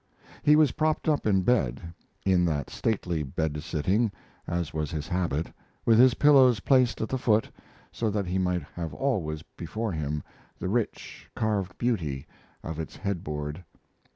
He was propped up in bed in that stately bed sitting, as was his habit, with his pillows placed at the foot, so that he might have always before him the rich, carved beauty of its headboard.